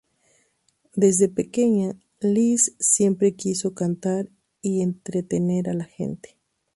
Desde pequeña Liz siempre quiso cantar y entretener a la gente.